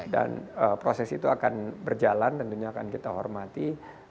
dan proses itu akan berjalan tentunya akan kita hormati